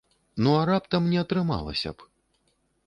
Ну а раптам не атрымалася б?